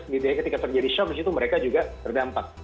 jadi ketika terjadi shock di situ mereka juga terdampak